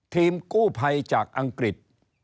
ทีมกู้ภัยจากอังกฤษ